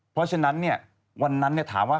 เพราะฉะนั้นเนี่ยวันนั้นเนี่ยถามว่า